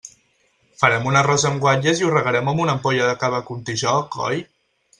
Farem un arròs amb guatlles i ho regarem amb una ampolla de cava Contijoch, oi?